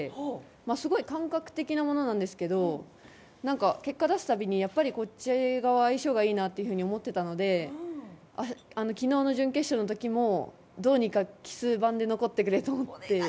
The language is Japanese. すごい感覚的なものなんですけど結果を出すたびにやっぱりこっち側相性がいいなって思っていたので昨日の準決勝の時もどうにか奇数番で残ってくれって。